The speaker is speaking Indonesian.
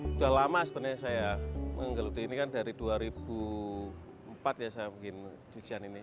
sudah lama sebenarnya saya menggeluti ini kan dari dua ribu empat ya saya bikin cucian ini